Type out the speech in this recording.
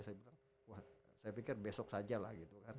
saya pikir besok saja lah gitu kan